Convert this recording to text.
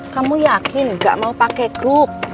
kamu yakin gak mau pake kruk